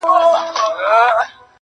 ما په نوم د انتقام يې ته وهلی٫